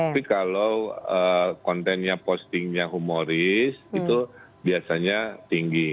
tapi kalau kontennya postingnya humoris itu biasanya tinggi